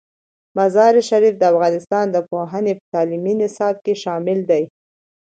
مزارشریف د افغانستان د پوهنې په تعلیمي نصاب کې شامل دی.